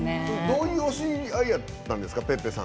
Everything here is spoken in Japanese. どういうお知り合いやったんですか？